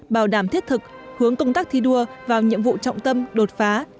bảo đảm thiết thực hướng công tác thi đua vào nhiệm vụ trọng tâm đột phá